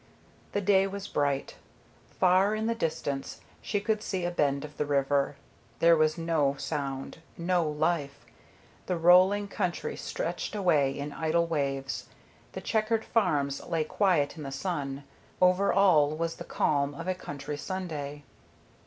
The day was bright. Far in the distance she could see a bend of the river. There was no sound, no life; the rolling country stretched away in idle waves, the checkered farms lay quiet in the sun, over all was the calm of a country Sunday.